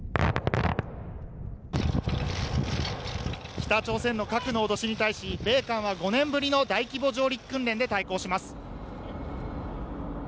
北朝鮮の核の脅しに対し米韓は５年ぶりの大規模上陸訓練で対抗します。